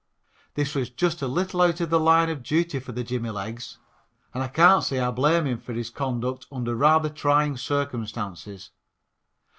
This was just a little out of the line of duty for the jimmy legs, and I can't say as I blame him for his conduct under rather trying circumstances.